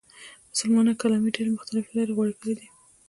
مسلمانانو کلامي ډلې مختلفې لارې غوره کړې دي.